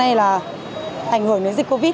này là ảnh hưởng đến dịch covid